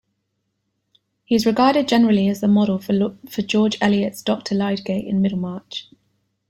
He is regarded generally as the model for George Eliot's Doctor Lydgate in Middlemarch.